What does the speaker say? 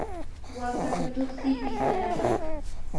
waakata tuksiy pistanapaq.